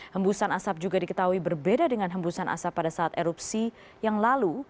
hembusan asap juga diketahui berbeda dengan hembusan asap pada saat erupsi yang lalu